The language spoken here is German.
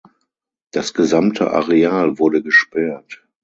Das gesamte Areal wurde gesperrt.